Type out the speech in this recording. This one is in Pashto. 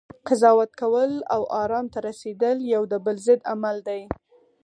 قضاوت کول، او ارام ته رسیدل یو د بل ضد عمل دی